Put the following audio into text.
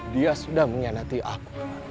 dia sudah mengianati aku